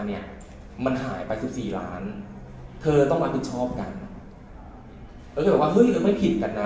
เนี้ยมันหายไปสิบสี่ล้านเธอต้องรับผิดชอบกันแล้วเธอบอกว่าเฮ้ยเราไม่ผิดกันนะ